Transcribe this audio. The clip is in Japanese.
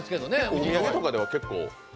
お土産とかでは結構。